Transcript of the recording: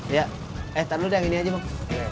iya eh tar dulu deng ini aja bang